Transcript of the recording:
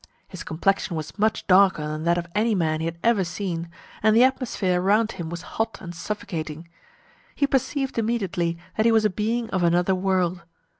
His complexion was much darker than that of any man he had ever seen, and the atmosphere around him was hot and suffocating. He perceived immediately that he was a being of another world.